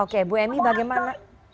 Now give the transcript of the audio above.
oke bu emy bagaimana